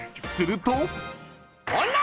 ［すると］